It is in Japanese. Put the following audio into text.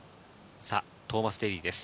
トーマス・デーリーです。